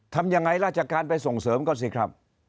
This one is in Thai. ทำยังไงราชการไปส่งเสริมก็สิครับ